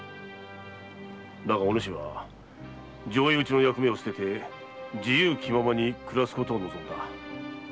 だがお主は上意討ちの役目を捨て自由気ままな暮らしを望んだ。